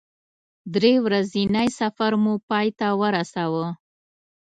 درې ورځنی سفر مو پای ته ورساوه.